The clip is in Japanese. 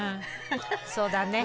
そうだね。